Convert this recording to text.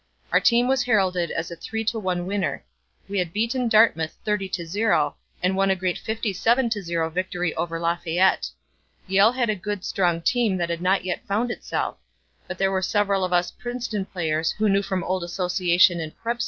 Our team was heralded as a three to one winner. We had beaten Dartmouth 30 to 0 and won a great 57 to 0 victory over Lafayette. Yale had a good, strong team that had not yet found itself. But there were several of us Princeton players who knew from old association in prep.